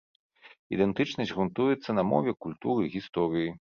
Ідэнтычнасць грунтуецца на мове, культуры, гісторыі.